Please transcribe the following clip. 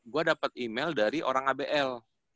gua dapet email dari orang ibl